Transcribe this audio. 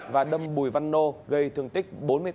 và đâm bùi văn nô gây thương tích bốn mươi tám